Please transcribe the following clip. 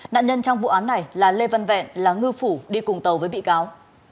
nạn nhân trong vụ án này là lê văn vẹn là ngư phủ đi cùng tàu với bị cáo